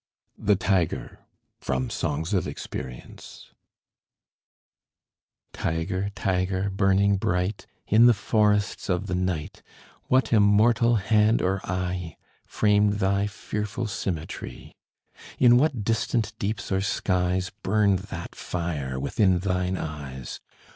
THE TIGER From 'Songs of Experience' Tiger! Tiger! burning bright In the forests of the night, What immortal hand or eye Framed thy fearful symmetry? In what distant deeps or skies Burned that fire within thine eyes?